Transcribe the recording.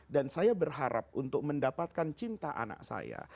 dan saya berharap untuk mendapatkan cinta anak saya